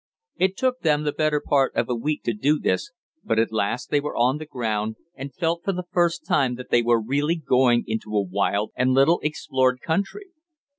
It took them the better part of a week to do this, but at last they were on the ground, and felt for the first time that they were really going into a wild and little explored country.